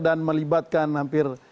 dan melibatkan hampir